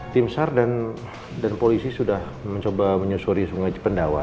sendirian dan polisi sudah mencoba menyusuri sungai jepandawa